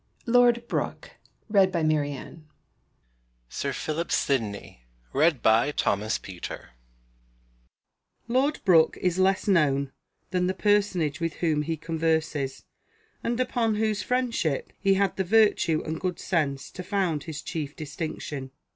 LORD BROOKE AND SIR PHILIP SIDNEY. [ Lord Brooke is less known than the personage with whom ho converses, and upon whoso friendship he had the virtue and good sense to found his chief distinction.